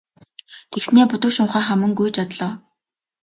Тэгснээ будаг шунхаа хаман гүйж одлоо.